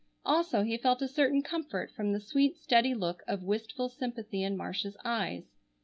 Also, he felt a certain comfort from the sweet steady look of wistful sympathy in Marcia's eyes.